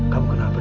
kamu kenapa dev